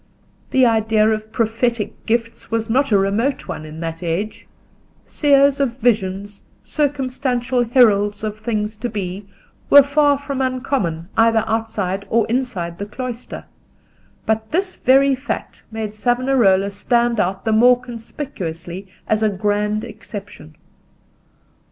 The idea of prophetic gifts was not a remote one in that age: seers of visions, circumstantial heralds of things to be, were far from uncommon either outside or inside the cloister; but this very fact made Savonarola stand out the more conspicuously as a grand exception.